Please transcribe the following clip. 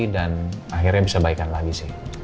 dan akhirnya bisa baikan lagi sih